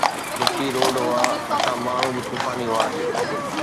مٽي روڊ هئا، اسان ماڻهو به طوفاني هئاسين